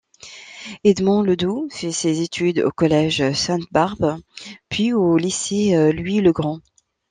Edmond Ledoux fait ses études au collège Sainte-Barbe puis au lycée Louis-Le-Grand.